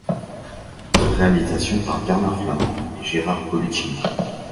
Réalisation par Bernard Flament et Gérard Pullicino.